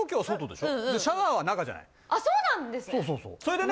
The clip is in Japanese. そうそうそう。